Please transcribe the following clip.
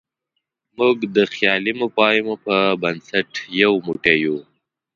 موږ د خیالي مفاهیمو په بنسټ یو موټی یو.